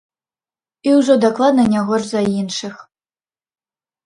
І ўжо дакладна не горш за іншых.